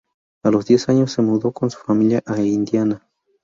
A los diez años se mudó con su familia a Indiana.